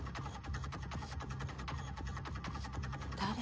誰？